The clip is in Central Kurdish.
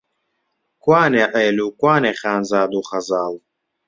کوانێ عێل و، کوانێ خانزاد و خەزاڵ؟!